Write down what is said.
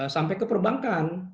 sampai ke perbankan